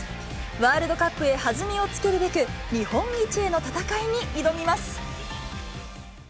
ワールドカップへ弾みをつけるべく、日本一への戦いに挑みます。